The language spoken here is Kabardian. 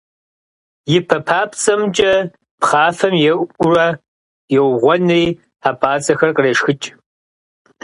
И пэ папцӀэмкӀэ пхъафэм еуӀуурэ, еугъуэнри, хьэпӀацӀэхэр кърешхыкӏ.